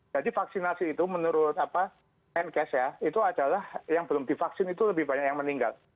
jadi vaksinasi itu menurut nkc itu adalah yang belum divaksin itu lebih banyak yang meninggal